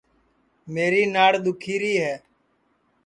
میری ناڑ دُؔکھی ری ہے